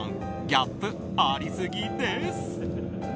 ギャップありすぎです！